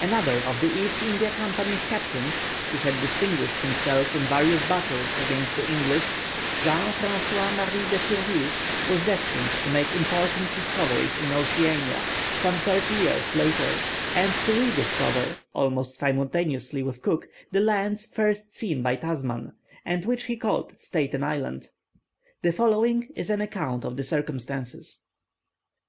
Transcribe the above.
Another of the East India Company's captains, who had distinguished himself in various battles against the English, Jean François Marie de Surville, was destined to make important discoveries in Oceania some thirty years later, and to re discover, almost simultaneously with Cook, the lands first seen by Tasman, and which he called Staten Island. The following is an account of the circumstances.